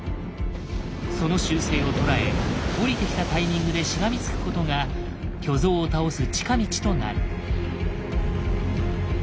その習性を捉え降りてきたタイミングでしがみつくことが巨像を倒す近道となる。